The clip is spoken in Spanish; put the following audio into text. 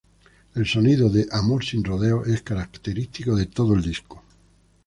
El sonido de "Amor sin rodeos" es característico de todo el disco.